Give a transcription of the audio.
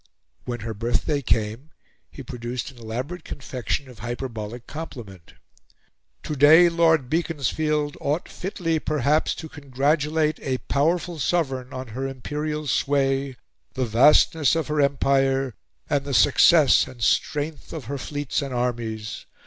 When her birthday came he produced an elaborate confection of hyperbolic compliment. "To day Lord Beaconsfield ought fitly, perhaps, to congratulate a powerful Sovereign on her imperial sway, the vastness of her Empire, and the success and strength of her fleets and armies.